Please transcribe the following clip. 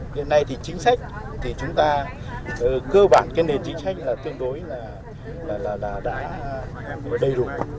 hiện nay chính sách thì chúng ta cơ bản nền chính sách tương đối là đã đầy đủ